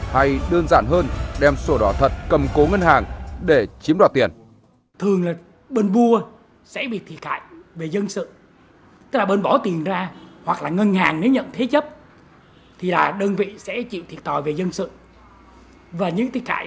hay đơn giản hơn đem sổ đỏ thật cầm cố ngân hàng để chiếm đoạt tiền